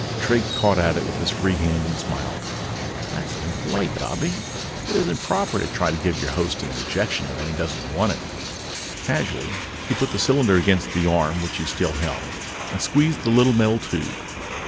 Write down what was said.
Drake caught it with his free hand and smiled. "That's impolite, Dobbie. It isn't proper to try to give your host an injection when he doesn't want it." Casually, he put the cylinder against the arm which he still held and squeezed the little metal tube.